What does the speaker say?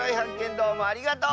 どうもありがとう！